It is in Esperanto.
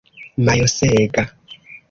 mojosega